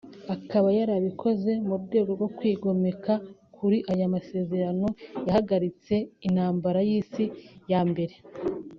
Akaba yarabikoze mu rwego rwo kwigomeka kuri aya masezerano yahagaritse intambara y’isi ya mbere